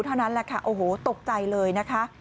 เท่านั้นแหละค่ะโอ้โหตกใจเลยนะคะ